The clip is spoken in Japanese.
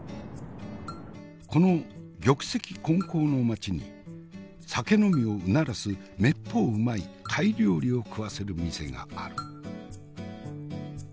この玉石混交の街に酒呑みをうならすめっぽううまい貝料理を食わせる店がある。